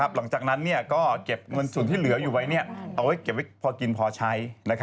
หลังจากนั้นก็เก็บเงินส่วนที่เหลืออยู่ไว้เอาไว้เก็บไว้พอกินพอใช้